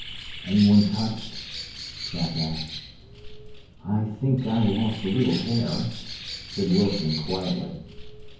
"Anyone touched?" Jack asked. "I think I lost a little hair," said Wilson quietly.